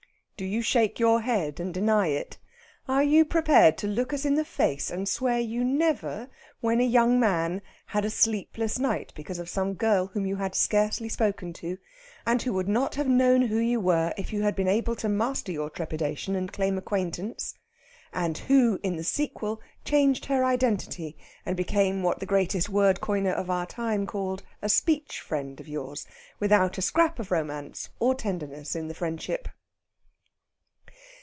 Do you shake your head, and deny it? Are you prepared to look us in the face, and swear you never, when a young man, had a sleepless night because of some girl whom you had scarcely spoken to, and who would not have known who you were if you had been able to master your trepidation and claim acquaintance; and who, in the sequel, changed her identity, and became what the greatest word coiner of our time called a "speech friend" of yours, without a scrap of romance or tenderness in the friendship?